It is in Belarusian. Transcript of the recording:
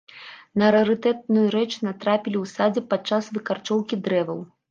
На рарытэтную рэч натрапілі ў садзе падчас выкарчоўкі дрэваў.